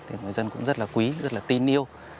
thì người dân cũng rất là quý rất là tin yêu